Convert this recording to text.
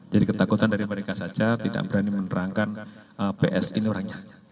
jadi ketakutan dari mereka saja tidak berani menerangkan ps ini orangnya